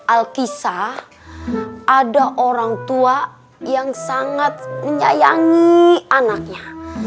alkisah ada orang tua yang sangat menyayangi anaknya